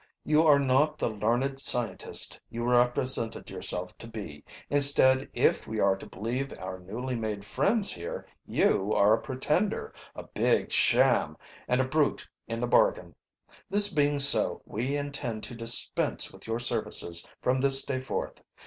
You are not the learned scientist you represented yourself to be instead, if we are to believe our newly made friends here, you are a pretender, a big sham, and a brute in the bargain. This being so, we intend to dispense with your services from this day forth.